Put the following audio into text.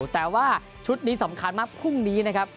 แต่ว่าชุดนี้สำคัญมากพรุ่งนี้นะครับ